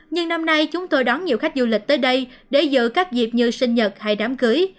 nhưng năm nay chúng tôi đón nhiều khách du lịch tới đây để giữ các dịp như sinh nhật hay đám cưới